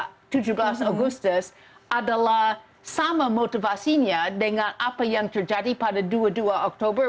dan juga saya merasa bahwa kepentingan dari tni dan perusahaan tni adalah sama motivasinya dengan apa yang terjadi pada dua puluh dua oktober